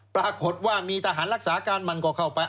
ปรากฏว่ามีทหารรักษาการมันก็เข้าไป